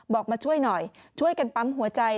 บอกมาช่วยหน่อยช่วยกันปั๊มหัวใจ